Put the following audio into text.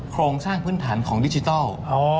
โครงสร้างพื้นฐานของดิจิทัล